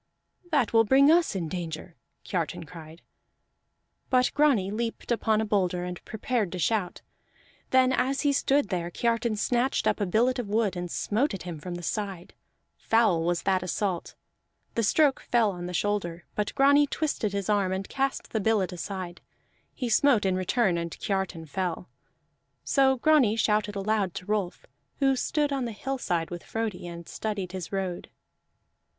"That will bring us in danger!" Kiartan cried. But Grani leaped upon a boulder and prepared to shout. Then as he stood there, Kiartan snatched up a billet of wood and smote at him from the side: foul was that assault. The stroke fell on the shoulder, but Grani twisted his arm and cast the billet aside; he smote in return, and Kiartan fell. So Grani shouted aloud to Rolf, who stood on the hillside with Frodi and studied his road.